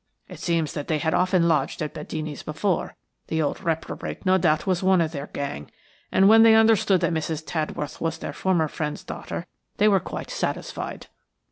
"It seems that they had often lodged at Badeni's before–the old reprobate no doubt was one of their gang–and when they understood that Mrs. Tadworth was their former friend's daughter they were quite satisfied.